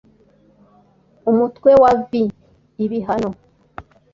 umutwe wa vi ibihano